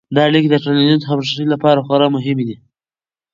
دا اړیکې د ټولنیز همغږي لپاره خورا مهمې دي.